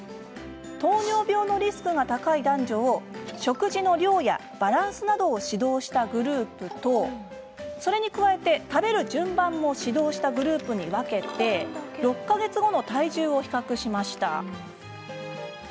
糖尿病のリスクが高い男女を食事の量やバランスなどを指導したグループとそれに加えて食べる順番も指導したグループに分け６か月後の体重を比較しました。